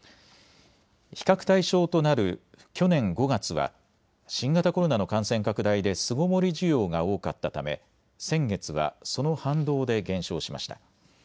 比較対象となる去年５月は新型コロナの感染拡大で巣ごもり需要が多かったため先月はその反動で減少しました。